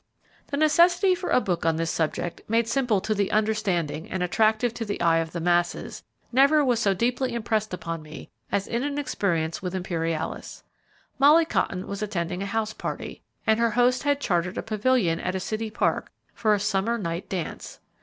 The necessity for a book on this subject; made simple to the understanding, and attractive to the eye of the masses, never was so deeply impressed upon me as in an experience with Imperialis. Molly Cotton was attending a house party, and her host had chartered a pavilion at a city park for a summer night dance.